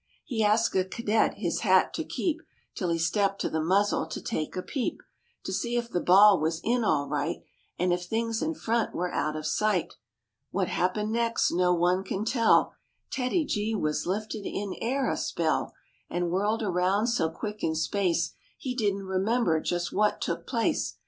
He asked a cadet his hat to keep Till he stepped to the muzzle to take a peep To see if the ball was in all right, And if things in front were out of sight. What happened next no one can tell, TEDDY G was lifted in air a spell 56 MORE ABOUT THE ROOSEVELT BEARS And whirled around so quick in space He didn't remember just what took place.